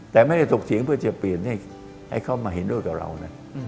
แต่ไม่ได้ถกเถียงเพื่อจะเปลี่ยนให้เขามาเห็นด้วยกับเรานะ